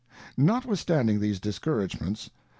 Notwithstanding these discouragements.